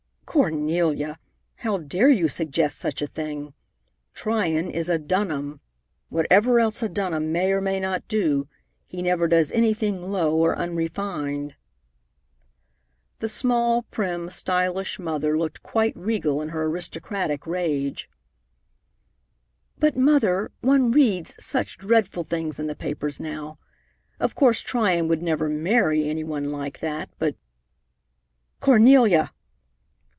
"Cornelia! How dare you suggest such a thing? Tryon is a Dunham. Whatever else a Dunham may or may not do, he never does anything low or unrefined." The small, prim, stylish mother looked quite regal in her aristocratic rage. "But, Mother, one reads such dreadful things in the papers now. Of course Tryon would never marry any one like that, but " "Cornelia!"